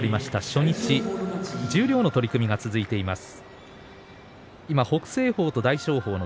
初日、十両の取組が続いています。